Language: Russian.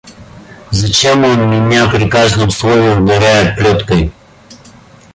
Зачем он меня при каждом слове ударяет плеткой.